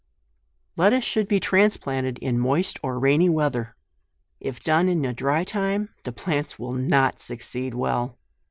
LETTUCE should be it ansplanted in moist or rainy wea ther. If done in a dry time, the plants wil! not succeed well.